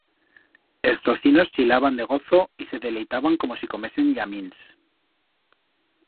Els tocinos chilaban de gozo y se deleitaban como si comesen llamins.